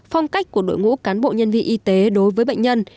phong cách của đội ngũ cán bộ nhân viên y tế đối với bệnh nhân